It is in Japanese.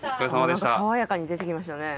何か爽やかに出てきましたね。